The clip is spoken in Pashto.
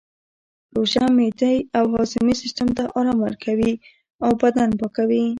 روژه معدې او هاضمې سیستم ته ارام ورکوي او بدن پاکوي